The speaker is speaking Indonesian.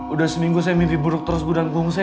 udah seminggu saya mimpi buruk terus budang bongse